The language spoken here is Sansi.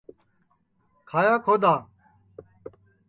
کھایا کھودؔا